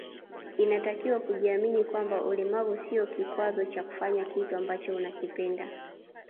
Inatakiwa kujiamini kwamba ulemavu sio kikwazo cha kufanya kitu ambacho unakipenda